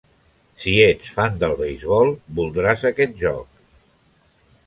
Si ets fan del beisbol, voldràs aquest joc.